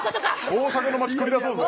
大阪の街繰り出そうぜ。